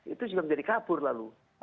itu juga menjadi kabur lalu